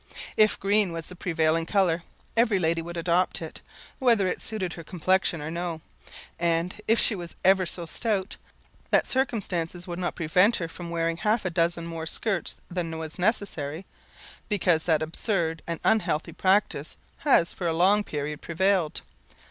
If green was the prevailing colour, every lady would adopt it, whether it suited her complexion or no; and, if she was ever so stout, that circumstance would not prevent her from wearing half a dozen more skirts than was necessary, because that absurd and unhealthy practice has for a long period prevailed.